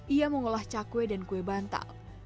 ia mengolah cakwe dan kue bantal